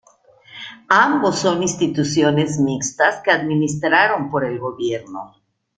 Ambos son instituciones mixtas que administraron por el gobierno.